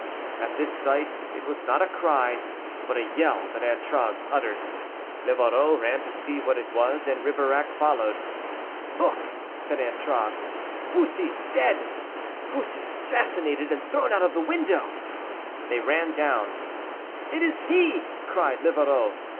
At this sight, it was not a cry, but a yell, that Antragues uttered. Livarot ran to see what it was, and Ribeirac followed. "Look!" said Antragues, "Bussy dead! Bussy assassinated and thrown out of window." They ran down. "It is he," cried Livarot.